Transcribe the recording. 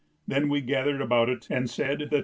Then we gathered about it and said the Te Deum.